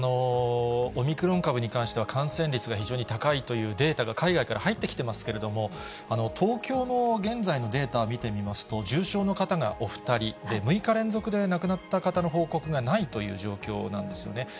オミクロン株に関しては、感染率が非常に高いというデータが海外から入ってきていますけれども、東京の現在のデータ見てみますと、重症の方がお２人で、６日連続で、亡くなった方の報告がないという状況なんですよね。